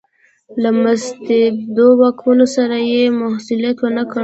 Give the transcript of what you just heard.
له مستبدو واکمنو سره یې مصلحت ونکړ.